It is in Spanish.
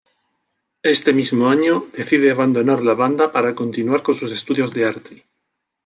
Este mismo año decide abandonar la banda para continuar con sus estudios de arte.